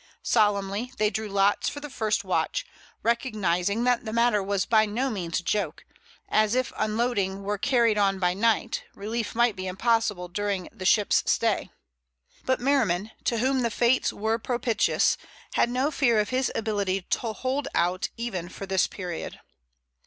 Solemnly they drew lots for the first watch, recognizing that the matter was by no means a joke, as, if unloading were carried on by night, relief might be impossible during the ship's stay. But Merriman, to whom the fates were propitious, had no fear of his ability to hold out even for this period.